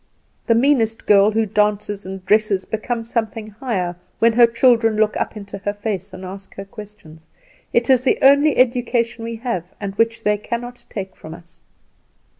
The meanest girl who dances and dresses becomes something higher when her children look up into her face and ask her questions. It is the only education we have and which they cannot take from us."